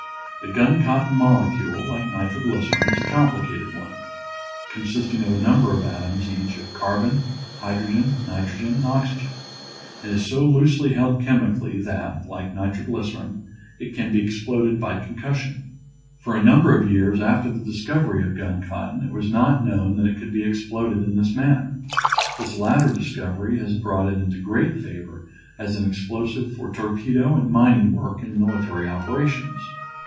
The gun cotton molecule, like nitro glycerin, is a complicated one, consisting of a number of atoms each of carbon, hydrogen, nitrogen, and oxygen, and is so loosely held chemically that, like nitroglycerin, it can be exploded by concussion. For a number of years after the discovery of gun cotton it was not known that it could be exploded in this manner. This latter discovery has brought it into great favor as an explosive for torpedo and mining work in military operations.